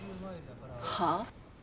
はあ？